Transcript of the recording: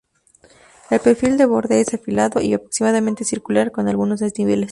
El perfil del borde es afilado y aproximadamente circular, con algunos desniveles.